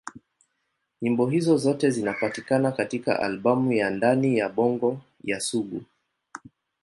Nyimbo hizo zote zinapatikana katika albamu ya Ndani ya Bongo ya Sugu.